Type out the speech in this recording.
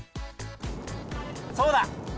そうだ！